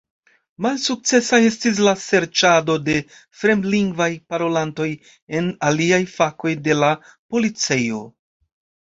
Malsukcesa estis la serĉado de fremdlingvaj parolantoj en aliaj fakoj de la policejo.